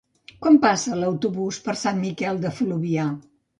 Quan passa l'autobús per Sant Miquel de Fluvià?